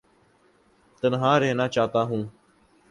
تنہا رہنا چاہتا ہوں